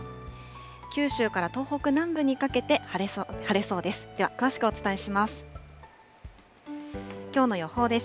九州から東北南部にかけて晴れそうです。